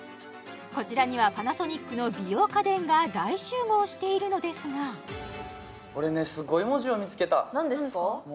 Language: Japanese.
こちらにはパナソニックの美容家電が大集合しているのですが俺ねすごい文字を見つけた何ですか？